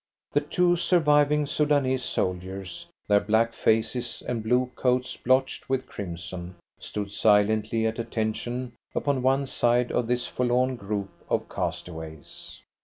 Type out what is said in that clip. The two surviving Soudanese soldiers, their black faces and blue coats blotched with crimson, stood silently at attention upon one side of this forlorn group of castaways.